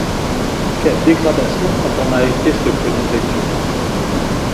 Quelle dégradation quand on a été ce que nous étions!